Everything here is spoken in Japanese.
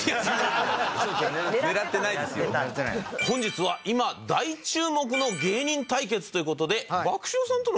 本日は今大注目の芸人対決という事で。